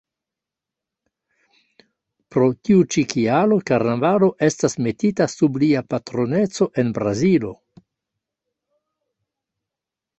Pro tiu ĉi kialo, karnavalo estas metita sub lia patroneco en Brazilo.